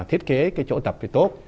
thiết kế cái chỗ tập thì tốt